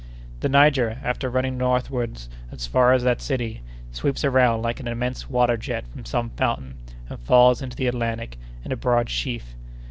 The Niger, after running northward as far as that city, sweeps around, like an immense water jet from some fountain, and falls into the Atlantic in a broad sheaf.